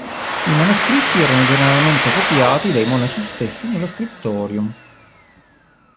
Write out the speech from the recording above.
I manoscritti erano generalmente copiati dai monaci stessi nello "scriptorium".